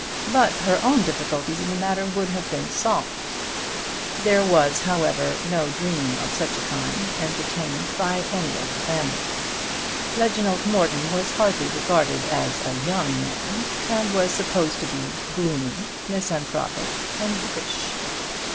But her own difficulties in the matter would have been solved. There was, however, no dream of such a kind entertained by any of the family. Reginald Morton was hardly regarded as a young man, and was supposed to be gloomy, misanthropic, and bookish.